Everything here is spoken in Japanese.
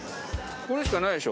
これしかないでしょ。